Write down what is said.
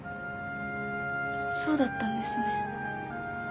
そそうだったんですね。